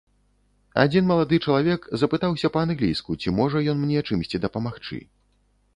Адзін малады чалавек запытаўся па-англійску, ці можа ён мне чымсьці дапамагчы.